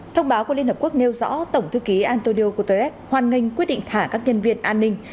thông báo của liên hợp quốc nêu rõ tổng thư ký antonio guterres hoan nghênh quyết định thả các nhân viên an ninh